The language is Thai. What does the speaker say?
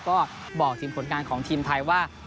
ก็บอกถึงผลงานของทีมไทยว่า